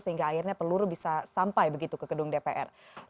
sehingga akhirnya peluru bisa sampai di kawasan lapangan